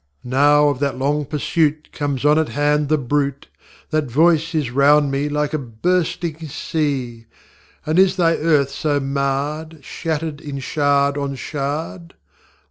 Now of that long pursuit Comes on at hand the bruit; That Voice is round me like a bursting sea: ŌĆśAnd is thy earth so marred, Shattered in shard on shard?